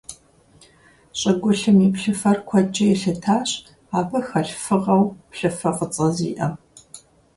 ЩӀыгулъым и плъыфэр куэдкӀэ елъытащ абы хэлъ фыгъэу плъыфэ фӀыцӀэ зиӀэм.